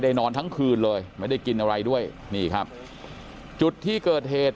นอนทั้งคืนเลยไม่ได้กินอะไรด้วยนี่ครับจุดที่เกิดเหตุ